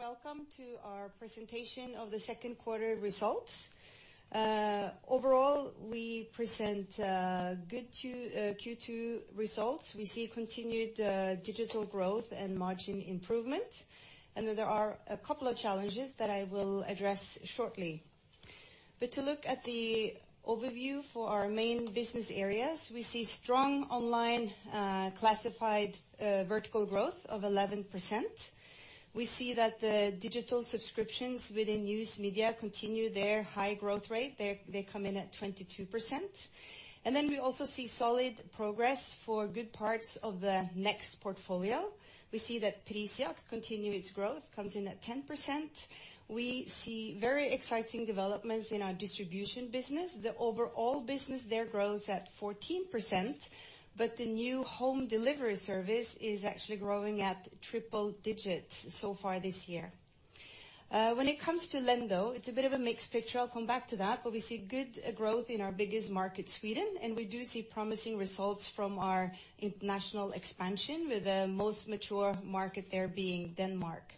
A warm welcome to our presentation of the second quarter results. Overall, we present good 2 Q2 results. We see continued digital growth and margin improvement. There are a couple of challenges that I will address shortly. To look at the overview for our main business areas, we see strong online classified vertical growth of 11%. We see that the digital subscriptions within news media continue their high growth rate. They come in at 22%. We also see solid progress for good parts of the next portfolio. We see that Prisjakt continue its growth, comes in at 10%. We see very exciting developments in our distribution business. The overall business there grows at 14%. The new home delivery service is actually growing at triple digits so far this year. When it comes to Lendo, it's a bit of a mixed picture. I'll come back to that. We see good growth in our biggest market, Sweden, and we do see promising results from our international expansion, with the most mature market there being Denmark.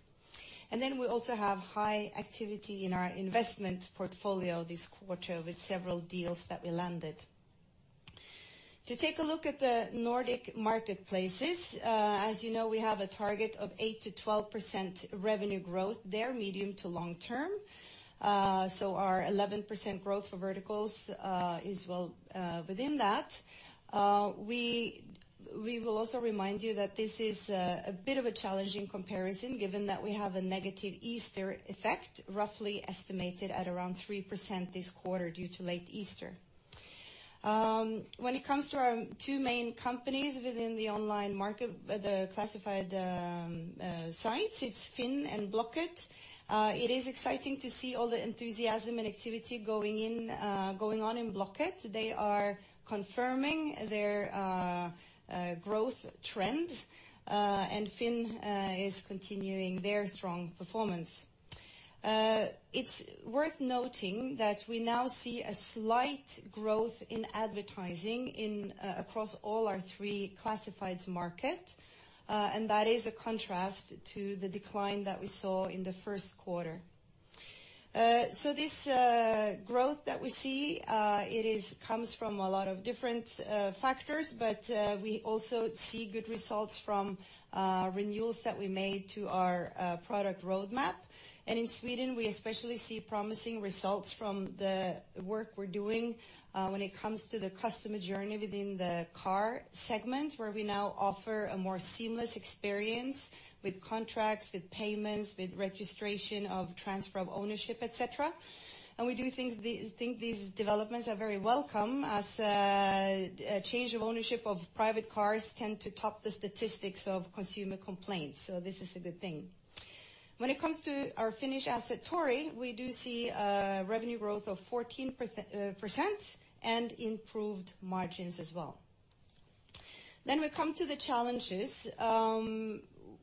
We also have high activity in our investment portfolio this quarter with several deals that we landed. To take a look at the Nordic Marketplaces, as you know, we have a target of 8%-12% revenue growth there, medium to long term. Our 11% growth for verticals is well within that. We will also remind you that this is a bit of a challenging comparison given that we have a negative Easter effect, roughly estimated at around 3% this quarter due to late Easter. When it comes to our two main companies within the online classified sites, it's FINN and Blocket. It is exciting to see all the enthusiasm and activity going on in Blocket. They are confirming their growth trend, and FINN is continuing their strong performance. It's worth noting that we now see a slight growth in advertising in across all our three classifieds market, and that is a contrast to the decline that we saw in the first quarter. This growth that we see comes from a lot of different factors, we also see good results from renewals that we made to our product roadmap. In Sweden, we especially see promising results from the work we're doing when it comes to the customer journey within the car segment, where we now offer a more seamless experience with contracts, with payments, with registration of transfer of ownership, et cetera. We do think these developments are very welcome as a change of ownership of private cars tend to top the statistics of consumer complaints. This is a good thing. When it comes to our Finnish asset Tori, we do see a revenue growth of 14% and improved margins as well. We come to the challenges.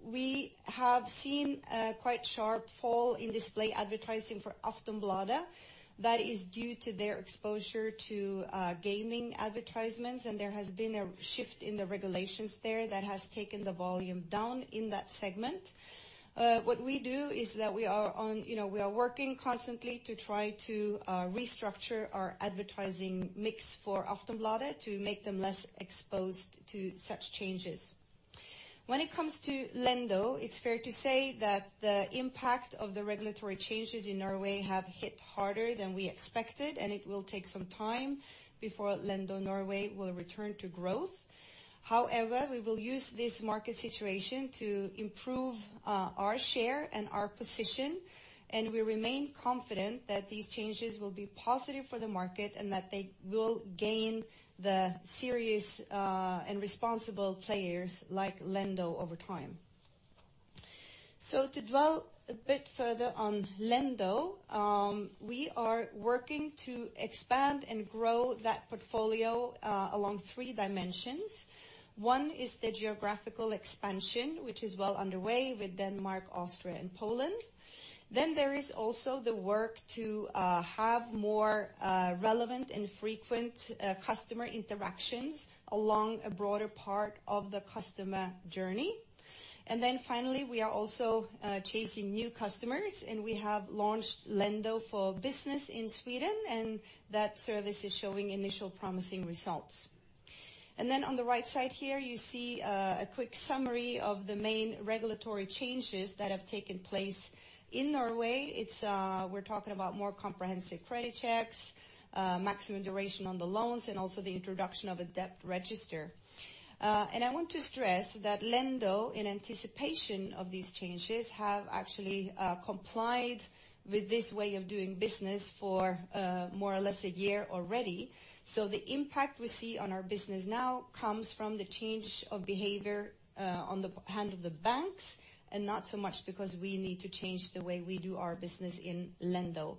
We have seen a quite sharp fall in display advertising for Aftonbladet. That is due to their exposure to gaming advertisements, and there has been a shift in the regulations there that has taken the volume down in that segment. What we do is that we are on, you know, we are working constantly to try to restructure our advertising mix for Aftonbladet to make them less exposed to such changes. When it comes to Lendo, it's fair to say that the impact of the regulatory changes in Norway have hit harder than we expected, and it will take some time before Lendo Norway will return to growth. However, we will use this market situation to improve our share and our position, and we remain confident that these changes will be positive for the market and that they will gain the serious and responsible players like Lendo over time. To dwell a bit further on Lendo, we are working to expand and grow that portfolio along three dimensions. One is the geographical expansion, which is well underway with Denmark, Austria, and Poland. There is also the work to have more relevant and frequent customer interactions along a broader part of the customer journey. Finally, we are also chasing new customers, and we have launched Lendo for Business in Sweden, and that service is showing initial promising results. On the right side here, you see a quick summary of the main regulatory changes that have taken place in Norway. It's, we're talking about more comprehensive credit checks, maximum duration on the loans, and also the introduction of a debt register. I want to stress that Lendo, in anticipation of these changes, have actually complied with this way of doing business for more or less a year already. The impact we see on our business now comes from the change of behavior on the hand of the banks and not so much because we need to change the way we do our business in Lendo.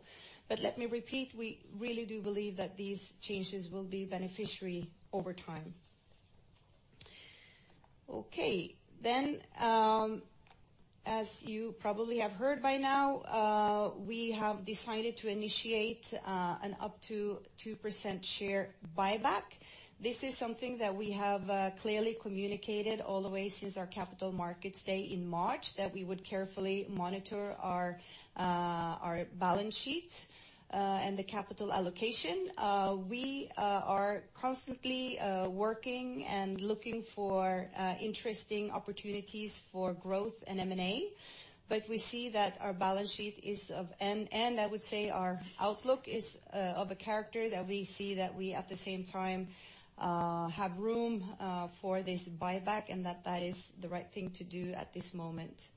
Let me repeat, we really do believe that these changes will be beneficiary over time. We have decided to initiate an up to 2% share buyback. This is something that we have clearly communicated all the way since our capital markets day in March, that we would carefully monitor our balance sheet and the capital allocation. We are constantly working and looking for interesting opportunities for growth and M&A. We see that our balance sheet is of. I would say our outlook is of a character that we see that we at the same time have room for this buyback and that that is the right thing to do at this moment.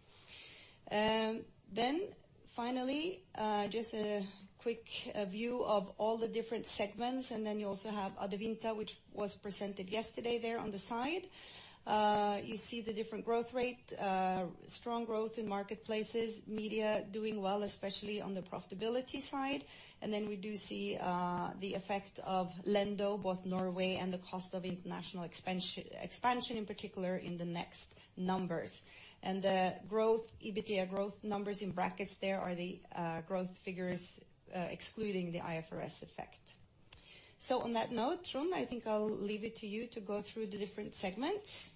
Finally, just a quick view of all the different segments, and then you also have Adevinta, which was presented yesterday there on the side. You see the different growth rate, strong growth in marketplaces, media doing well, especially on the profitability side. We do see the effect of Lendo, both Norway and the cost of international expansion, in particular in the next numbers. The growth, EBITDA growth numbers in brackets there are the growth figures excluding the IFRS effect. On that note, Trond, I think I'll leave it to you to go through the different segments.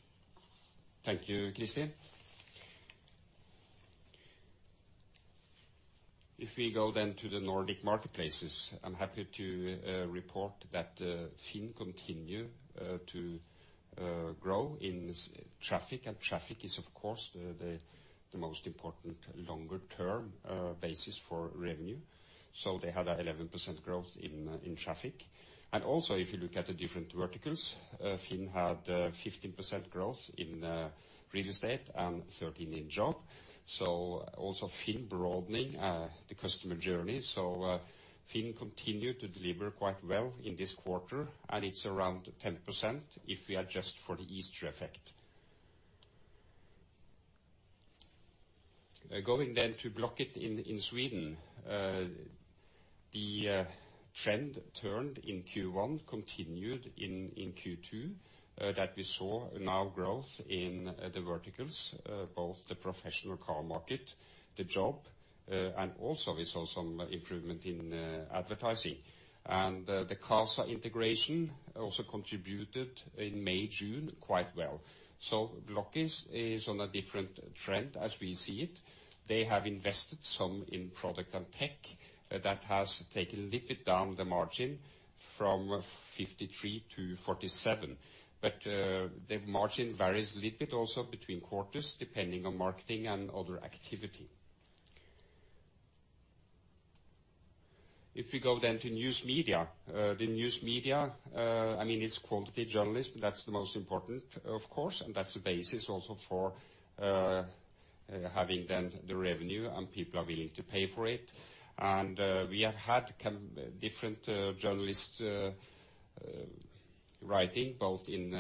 Thank you, Kristin. If we go to the Nordic Marketplaces, I'm happy to report that FINN continue to grow in traffic. Traffic is, of course, the most important longer-term basis for revenue. They had an 11% growth in traffic. Also, if you look at the different verticals, FINN had 15% growth in real estate and 13% in job. Also FINN broadening the customer journey. FINN continued to deliver quite well in this quarter, and it's around 10% if we adjust for the Easter effect. Going to Blocket in Sweden. Year trend in Q1, continued in Q2, that we saw now growth in the verticals, both the professional car market, the job, and also we saw some improvement in advertising. The CASA integration also contributed in May/June quite well. So Blocket is on a different trend as we see it. They have invested some in product and tech that has taken a little bit down the margin from 53% to 47%. But the margin varies a little bit also between quarters, depending on marketing and other activity. If we go to news media. The news media, I mean, it's quality journalism, that's the most important, of course, and that's the basis also for having the revenue and people are willing to pay for it We have had kind of different journalists writing both in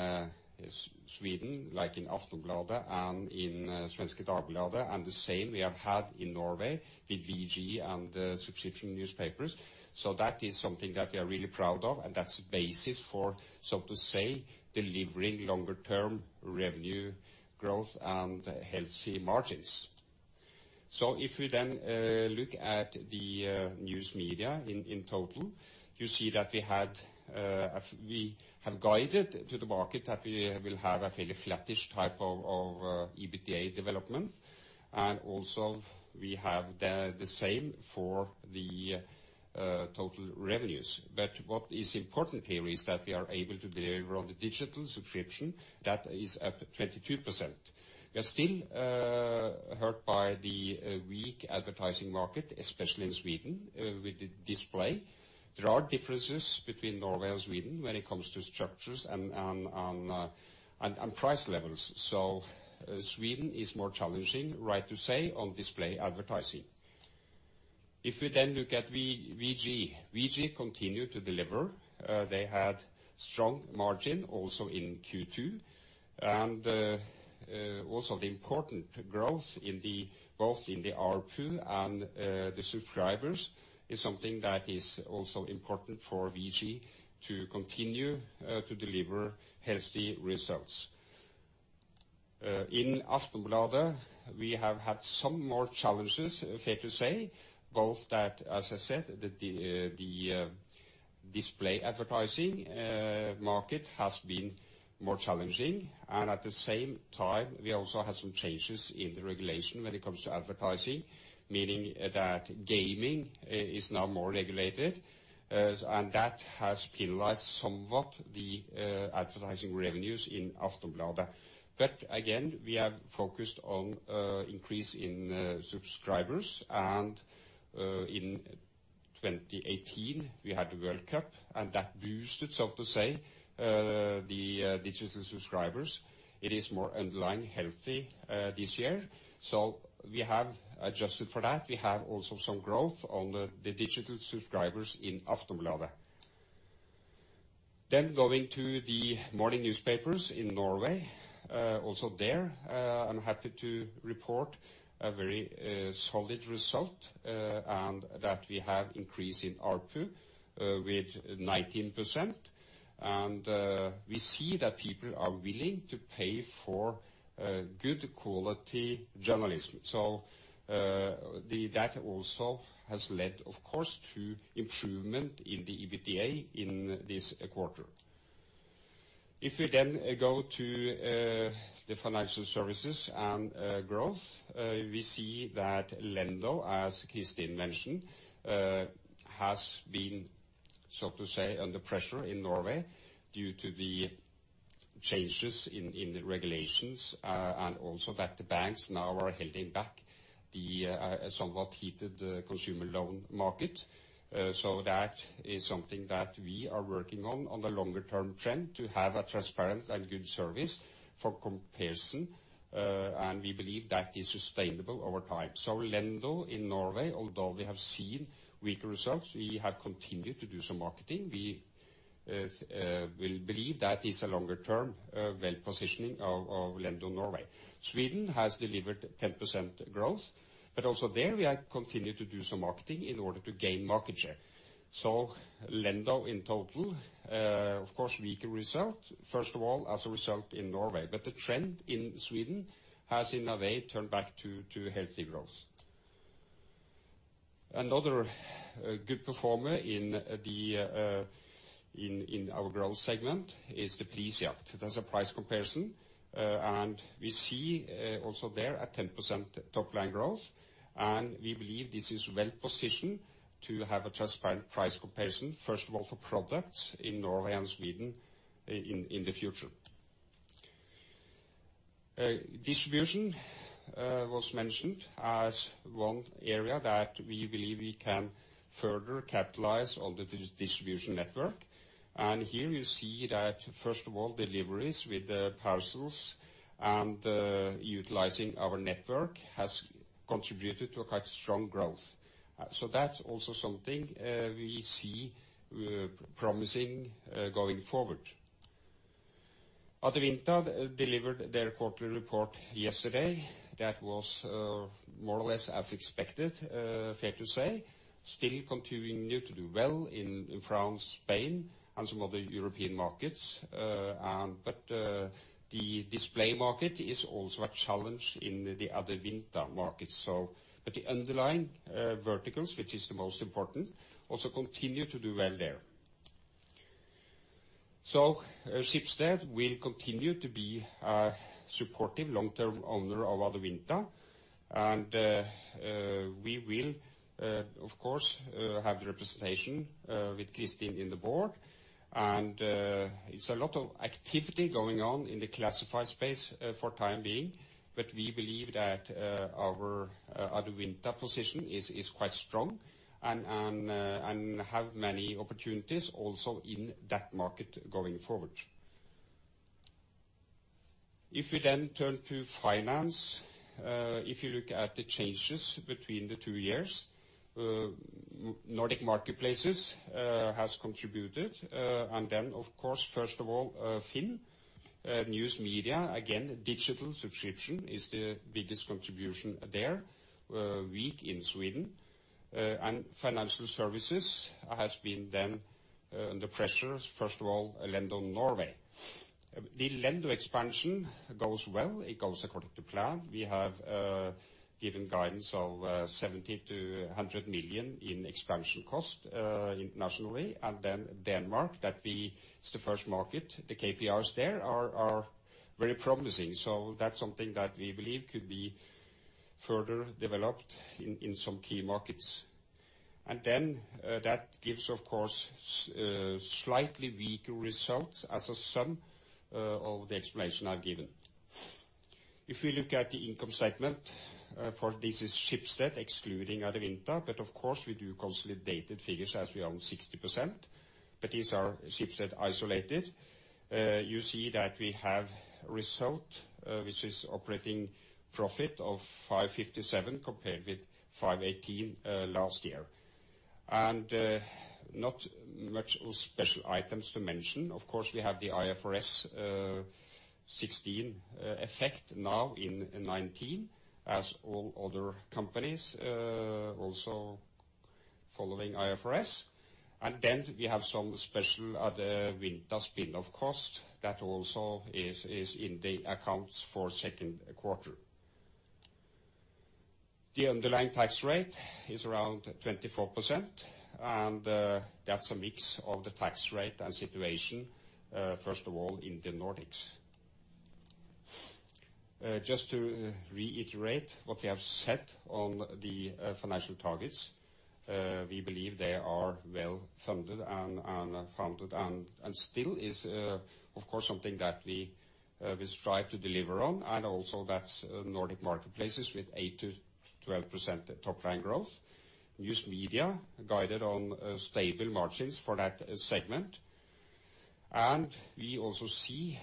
Sweden, like in Aftonbladet and in Svenska Dagbladet, and the same we have had in Norway with VG and the subscription newspapers. That is something that we are really proud of, and that's the basis for, so to say, delivering longer-term revenue growth and healthy margins. If we then look at the news media in total, you see that we had, we have guided to the market that we will have a fairly flattish type of EBITDA development. Also, we have the same for the total revenues. What is important here is that we are able to deliver on the digital subscription that is up 22%. We are still hurt by the weak advertising market, especially in Sweden, with the display. There are differences between Norway and Sweden when it comes to structures and price levels. Sweden is more challenging, right to say, on display advertising. If we then look at VG. VG continued to deliver. They had strong margin also in Q2. Also the important growth in the, both in the ARPU and the subscribers is something that is also important for VG to continue to deliver healthy results. In Aftonbladet, we have had some more challenges, fair to say, both that, as I said, the display advertising market has been more challenging. At the same time, we also have some changes in the regulation when it comes to advertising, meaning that gaming is now more regulated. And that has penalized somewhat the advertising revenues in Aftonbladet. Again, we are focused on increase in subscribers. In 2018, we had the World Cup, and that boosted, so to say, the digital subscribers. It is more underlying healthy this year. We have adjusted for that. We have also some growth on the digital subscribers in Aftonbladet. Going to the morning newspapers in Norway. Also there, I'm happy to report a very solid result, and that we have increase in ARPU with 19%. We see that people are willing to pay for good quality journalism. That also has led, of course, to improvement in the EBITDA in this quarter. If we go to the financial services and growth, we see that Lendo, as Kristin mentioned, has been, so to say, under pressure in Norway due to the changes in the regulations, and also that the banks now are holding back the somewhat heated consumer loan market. That is something that we are working on the longer term trend to have a transparent and good service for comparison, and we believe that is sustainable over time. Lendo in Norway, although we have seen weaker results, we have continued to do some marketing. We believe that is a longer term, well positioning of Lendo Norway. Sweden has delivered 10% growth, also there we are continued to do some marketing in order to gain market share. Lendo in total, of course, weaker result, first of all, as a result in Norway, but the trend in Sweden has in a way turned back to healthy growth. Another good performer in our growth segment is the Prisjakt. That's a price comparison. We see also there a 10% top line growth, and we believe this is well-positioned to have a transparent price comparison, first of all for products in Norway and Sweden in the future. Distribution was mentioned as one area that we believe we can further capitalize on the distribution network. Here you see that first of all deliveries with parcels and utilizing our network has contributed to a quite strong growth. That's also something we see promising going forward. Adevinta delivered their quarterly report yesterday. That was more or less as expected, fair to say. Still continuing to do well in France, Spain, and some other European markets. The display market is also a challenge in the Adevinta markets, so. The underlying verticals, which is the most important, also continue to do well there. Schibsted will continue to be a supportive long-term owner of Adevinta. We will of course have representation with Kristin in the board. It's a lot of activity going on in the classified space for time being. We believe that our Adevinta position is quite strong and have many opportunities also in that market going forward. We turn to finance, if you look at the changes between the two years, Nordic Marketplaces has contributed. Of course first of all, FINN, News Media, again, digital subscription is the biggest contribution there, weak in Sweden. Financial Services has been then under pressures, first of all, Lendo Norway. The Lendo expansion goes well. It goes according to plan. We have given guidance of 70 million-100 million in expansion cost internationally, and then Denmark. It's the first market. The KPIs there are very promising. That's something that we believe could be further developed in some key markets. That gives of course slightly weaker results as a sum of the explanation I've given. If we look at the income statement, for this is Schibsted excluding Adevinta, but of course we do consolidated figures as we own 60%. These are Schibsted isolated. You see that we have result, which is operating profit of 557 compared with 518 last year. Not much of special items to mention. Of course, we have the IFRS 16 effect now in 2019 as all other companies also following IFRS. We have some special Adevinta spin-off cost that also is in the accounts for second quarter. The underlying tax rate is around 24%, and that's a mix of the tax rate and situation, first of all in the Nordics. Just to reiterate what we have said on the financial targets, we believe they are well-funded and funded and still is, of course, something that we strive to deliver on and also that's Nordic Marketplaces with 8%-12% top line growth. News Media guided on stable margins for that segment. We also see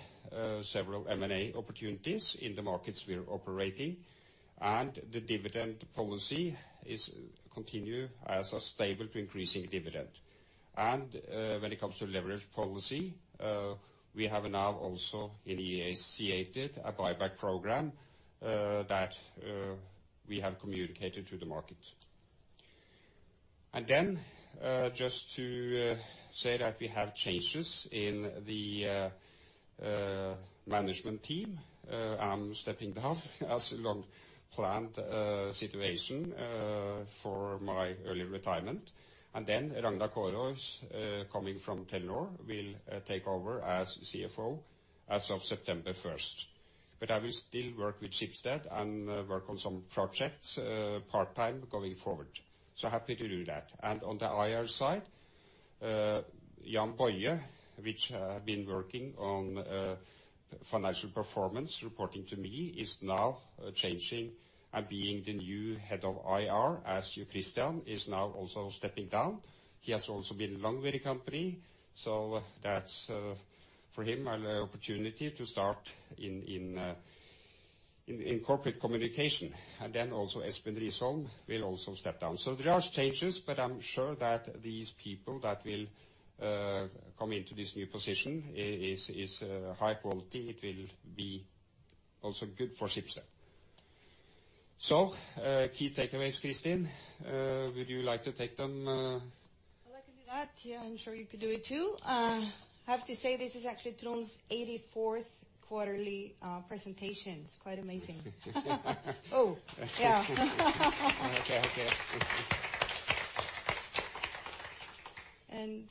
several M&A opportunities in the markets we're operating. The dividend policy is continue as a stable to increasing dividend. When it comes to leverage policy, we have now also initiated a buyback program that we have communicated to the market. Just to say that we have changes in the Management team, I'm stepping down as long planned situation for my early retirement. Ragnar Kårhus, coming from Telenor will take over as CFO as of September 1st. I will still work with Schibsted and work on some projects, part-time going forward. Happy to do that. On the IR side, Jan Bøye, which has been working on financial performance reporting to me, is now changing and being the new head of IR as Jo Christian is now also stepping down. He has also been long with the company, so that's for him, an opportunity to start in corporate communication. Also Espen Risholm will also step down. There are changes, but I'm sure that these people that will come into this new position is high quality. It will be also good for Schibsted. Key takeaways, Kristin, would you like to take them? Well, I can do that. Yeah, I'm sure you could do it too. I have to say, this is actually Trond's 84th quarterly presentation. It's quite amazing. Oh, yeah. Okay, okay.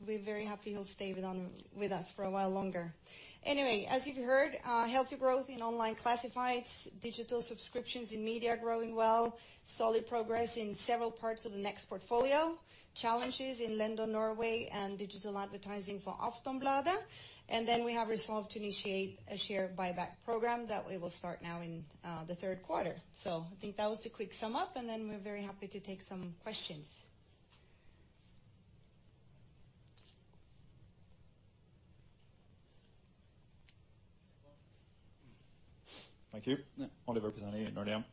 We're very happy he'll stay with us for a while longer. Anyway, as you've heard, healthy growth in online classifieds, digital subscriptions in media are growing well, solid progress in several parts of the Next portfolio, challenges in Lendo Norway and digital advertising for Aftonbladet. We have resolved to initiate a share buyback program that we will start now in the third quarter. I think that was the quick sum-up, and then we're very happy to take some questions. Thank you. Oliver Pisani, Nordea.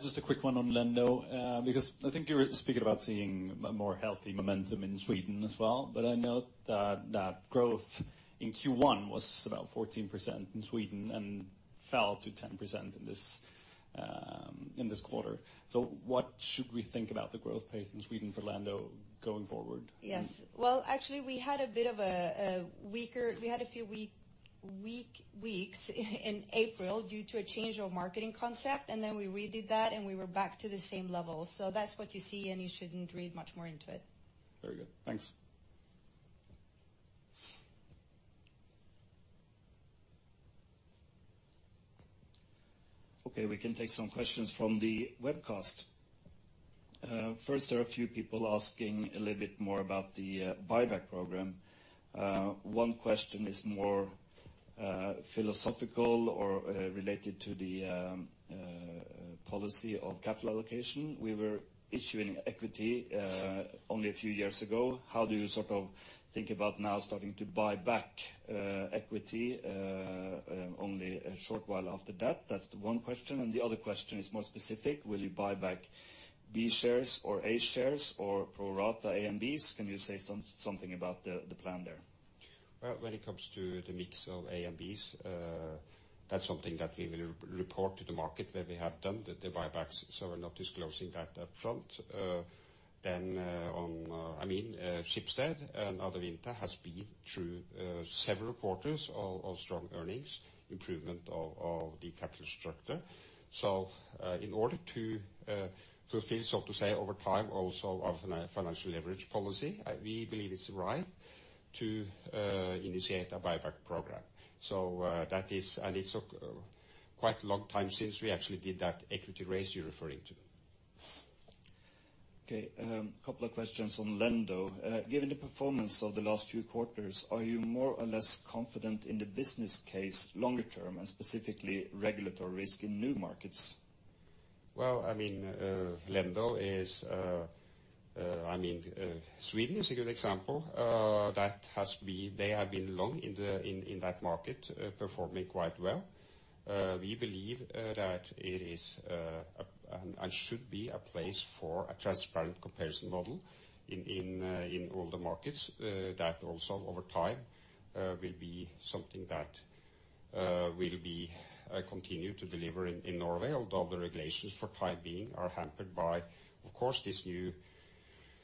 just a quick one on Lendo, because I think you were speaking about seeing a more healthy momentum in Sweden as well, but I know that that growth in Q1 was about 14% in Sweden and fell to 10% in this, in this quarter. What should we think about the growth pace in Sweden for Lendo going forward? Actually, we had a few weak weeks in April due to a change of marketing concept. We redid that and we were back to the same level. That's what you see. You shouldn't read much more into it. Very good. Thanks. Okay, we can take some questions from the webcast. First, there are a few people asking a little bit more about the buyback program. One question is more philosophical or related to the policy of capital allocation. We were issuing equity only a few years ago. How do you sort of think about now starting to buy back equity only a short while after that? That's the one question. The other question is more specific. Will you buy back B shares or A shares or pro rata As? Can you say something about the plan there? Well, when it comes to the mix of As, that's something that we will report to the market when we have done the buybacks, so we're not disclosing that up front. I mean, Schibsted and Adevinta has been through several quarters of strong earnings, improvement of the capital structure. In order to fulfill, so to say, over time also of financial leverage policy, we believe it's right to initiate a buyback program. That is, and it's quite a long time since we actually did that equity raise you're referring to. A couple of questions on Lendo. Given the performance of the last few quarters, are you more or less confident in the business case longer term and specifically regulatory risk in new markets? Well, I mean, Sweden is a good example. They have been long in that market, performing quite well. We believe that it is and should be a place for a transparent comparison model in all the markets that also over time will be something that will be, continue to deliver in Norway, although the regulations for time being are hampered by, of course, this new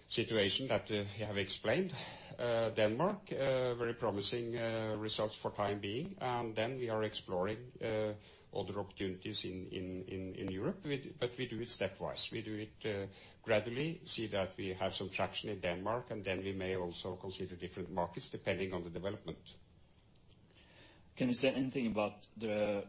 situation that we have explained. Denmark, very promising results for time being. Then we are exploring other opportunities in Europe. We do it stepwise. We do it, gradually, see that we have some traction in Denmark, and then we may also consider different markets depending on the development. Can you say anything about the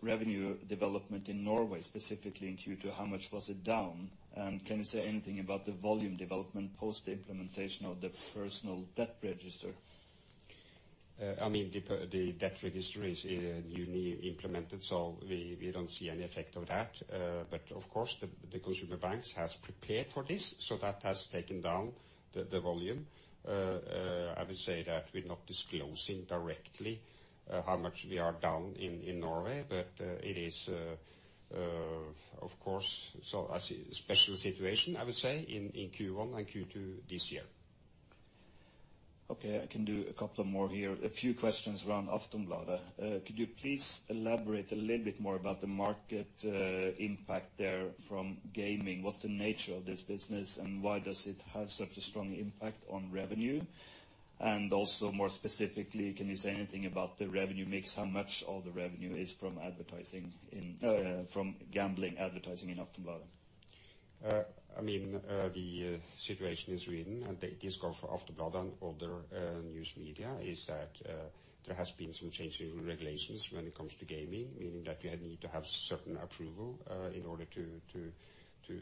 revenue development in Norway, specifically in Q2, how much was it down? Can you say anything about the volume development post-implementation of the personal debt register? I mean, the debt register is newly implemented, so we don't see any effect of that. Of course, the consumer banks has prepared for this, so that has taken down the volume. I would say that we're not disclosing directly how much we are down in Norway, but it is of course so a special situation, I would say, in Q1 and Q2 this year. Okay, I can do a couple more here. A few questions around Aftonbladet. Could you please elaborate a little bit more about the market impact there from gaming? What's the nature of this business, and why does it have such a strong impact on revenue? Also more specifically, can you say anything about the revenue mix? How much of the revenue is from advertising in from gambling advertising in Aftonbladet? I mean, the situation in Sweden, and it is for Aftonbladet and other news media, is that there has been some changing regulations when it comes to gaming. Meaning that we need to have certain approval in order to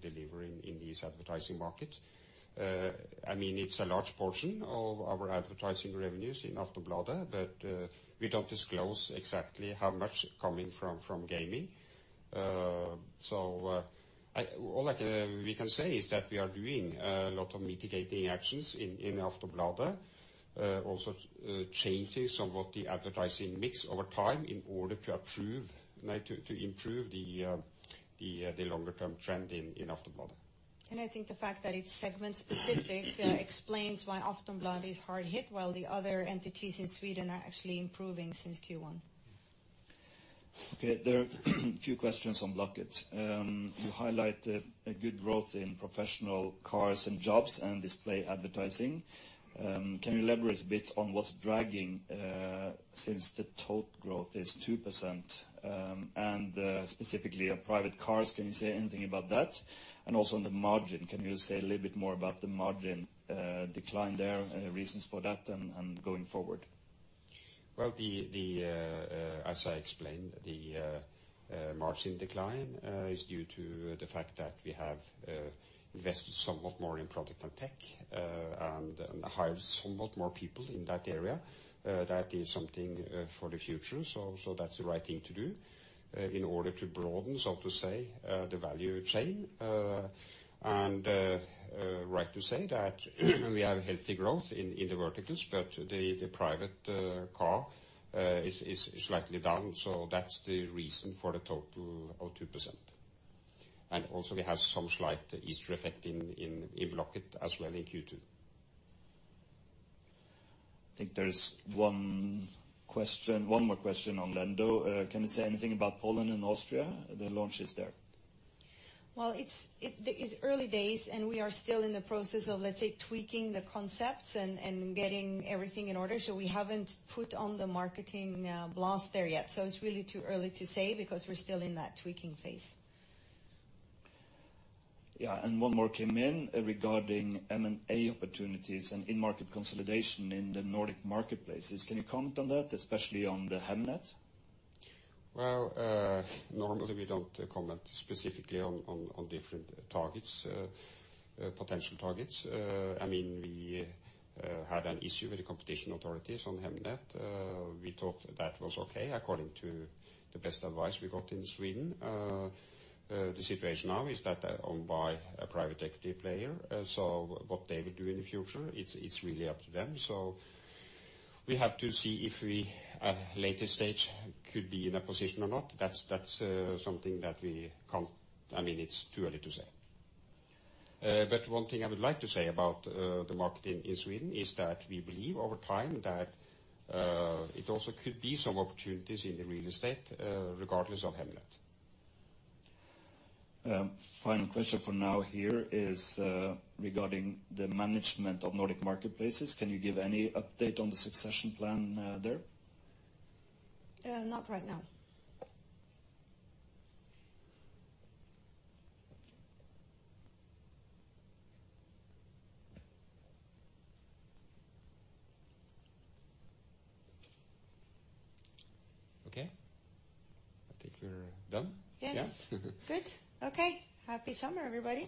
deliver in this advertising market. I mean, it's a large portion of our advertising revenues in Aftonbladet, but we don't disclose exactly how much coming from gaming. All I can say is that we are doing a lot of mitigating actions in Aftonbladet. Also changing somewhat the advertising mix over time in order to improve the longer term trend in Aftonbladet. I think the fact that it's segment specific, explains why Aftonbladet is hard hit while the other entities in Sweden are actually improving since Q1. Okay. There are a few questions on Blocket. You highlight a good growth in professional cars and jobs and display advertising. Can you elaborate a bit on what's dragging, since the total growth is 2%, specifically on private cars, can you say anything about that? Also on the margin, can you say a little bit more about the margin decline there, any reasons for that and going forward? Well, as I explained, the margin decline is due to the fact that we have invested somewhat more in product and tech and hired somewhat more people in that area. That is something for the future, so that's the right thing to do in order to broaden, so to say, the value chain. Right to say that we have healthy growth in the verticals, but the private car is slightly down, so that's the reason for the total of 2%. Also we have some slight Easter effect in Blocket as well in Q2. I think there's one question, one more question on Lendo. Can you say anything about Poland and Austria, the launches there? It is early days, we are still in the process of, let's say, tweaking the concepts and getting everything in order. We haven't put on the marketing blast there yet. It's really too early to say because we're still in that tweaking phase. Yeah. One more came in regarding M&A opportunities and in-market consolidation in the Nordic Marketplaces. Can you comment on that, especially on the Hemnet? Normally we don't comment specifically on different targets, potential targets. I mean, we had an issue with the competition authorities on Hemnet. We thought that was okay according to the best advice we got in Sweden. The situation now is that they're owned by a private equity player. What they will do in the future, it's really up to them. We have to see if we, at a later stage, could be in a position or not. That's something that we can't. I mean, it's too early to say. One thing I would like to say about the market in Sweden is that we believe over time that it also could be some opportunities in the real estate, regardless of Hemnet. Final question for now here is, regarding the management of Nordic Marketplaces. Can you give any update on the succession plan, there? Not right now. I think we're done. Yes. Yeah. Good. Okay. Happy summer, everybody.